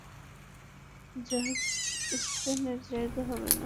জাহাজে স্টোনের জায়গা হবে না।